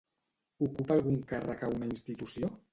Ocupa algun càrrec a una institució?